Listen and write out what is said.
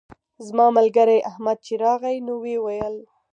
زما ملګری احمد چې راغی نو ویې ویل.